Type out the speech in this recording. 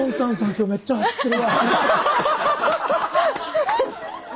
今日めっちゃ走ってるわ」みたいな。